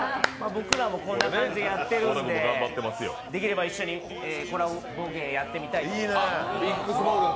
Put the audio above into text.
僕らもこんな感じでやっているんで、できれば一緒にコラボ芸をやってみたい。